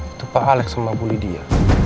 itu pak alex sama bu lydia